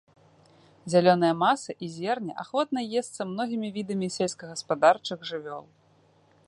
Зялёная маса і зерне ахвотна есца многімі відамі сельскагаспадарчых жывёл.